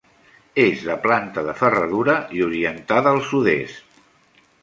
És de planta de ferradura i orientada al sud-est.